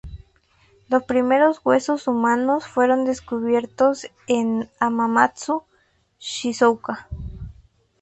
Los primeros huesos humanos fueron descubiertos en Hamamatsu, Shizuoka.